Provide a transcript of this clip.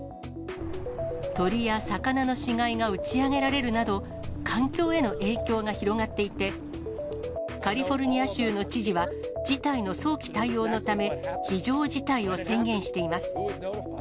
鳥や魚の死骸が打ち上げられるなど、環境への影響が広がっていて、カリフォルニア州の知事は、事態の早期対応のため、非常事態を宣言しています。